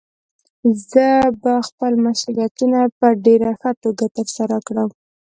زه به خپل مسؤليتونه په ډېره ښه توګه ترسره کړم.